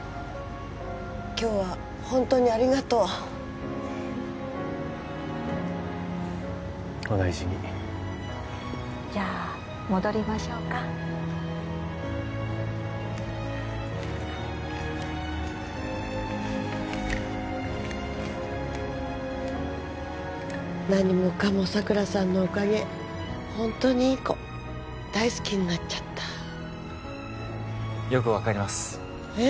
今日は本当にありがとうお大事にじゃあ戻りましょうか何もかも佐倉さんのおかげホントにいい子大好きになっちゃったよく分かりますえっ？